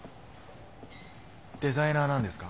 デザイナーなんですか？